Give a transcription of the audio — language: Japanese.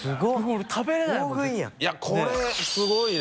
いやこれすごいね。